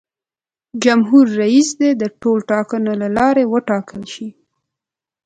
جمهور رئیس دې د ټولټاکنو له لارې وټاکل شي.